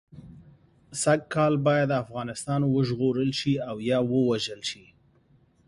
سږ کال باید افغانستان وژغورل شي او یا ووژل شي.